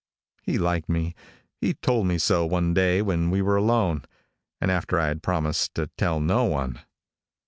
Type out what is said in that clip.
He liked me. He told me so one day when we were alone, and after I had promised to tell no one.